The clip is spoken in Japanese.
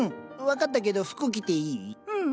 分かったけど服着ていい？